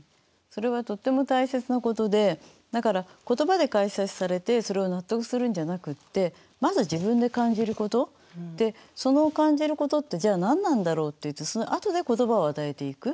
それはとっても大切なことでだから言葉で解説されてそれを納得するんじゃなくってまず自分で感じることでその感じることってじゃあ何なんだろう？っていってそのあとで言葉を与えていく。